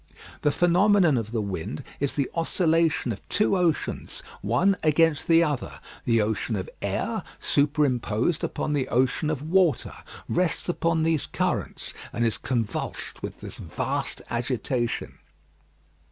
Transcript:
The phenomenon of the wind is the oscillation of two oceans one against the other; the ocean of air, superimposed upon the ocean of water, rests upon these currents, and is convulsed with this vast agitation.